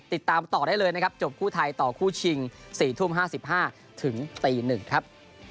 ติดตามต่อได้เลยนะครับจบคู่ไทยต่อคู่ชิง๔ทุ่ม๕๕ถึงตี๑ครับ